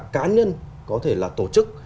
cá nhân có thể là tổ chức